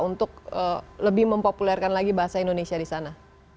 untuk lebih mempopulerkan lagi bahasa indonesia di sana